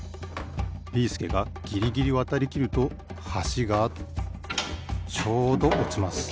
ビーすけがギリギリわたりきるとはしがちょうどおちます。